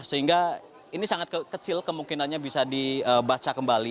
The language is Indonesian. sehingga ini sangat kecil kemungkinannya bisa dibaca kembali